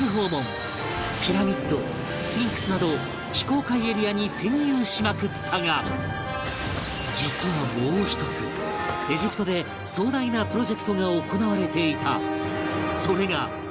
ピラミッドスフィンクスなど非公開エリアに潜入しまくったが実はもう１つエジプトで壮大なプロジェクトが行われていた